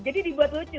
jadi dibuat lucu